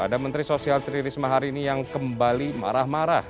ada menteri sosial tri risma hari ini yang kembali marah marah